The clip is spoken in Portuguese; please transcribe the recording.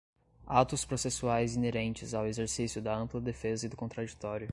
atos processuais inerentes ao exercício da ampla defesa e do contraditório